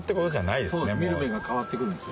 そうです見る目が変わってくるんですよ。